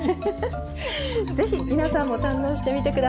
是非皆さんも堪能してみてください。